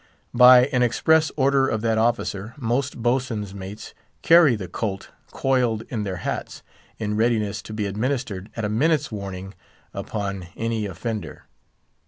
By an express order of that officer, most boatswain's mates carry the "colt" coiled in their hats, in readiness to be administered at a minute's warning upon any offender.